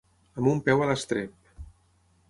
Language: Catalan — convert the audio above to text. Amb un peu a l'estrep.